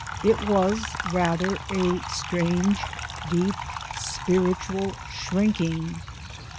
It was rather a strange, deep, spiritual shrinking.